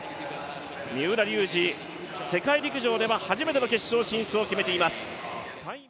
三浦龍司、世界陸上では初めての決勝進出を決めています。